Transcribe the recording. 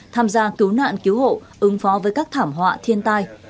tham gia cứu nạn cứu hộ ưng pho với các thảm họa thiên tai